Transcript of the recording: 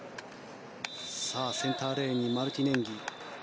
センターレーンにマルティネンギ。